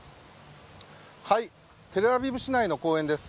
テルアビブ市内の公園です。